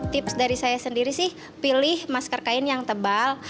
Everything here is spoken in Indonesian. tips dari saya sendiri sih pilih masker kain yang tebal